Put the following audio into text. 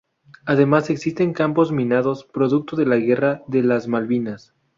Además, existen campos minados producto de la Guerra de las Malvinas.